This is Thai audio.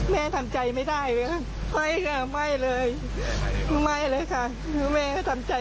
แม่ทำใจไม่ได้ไหมค่ะ